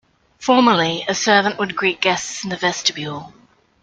Formerly, a servant would greet guests in the Vestibule.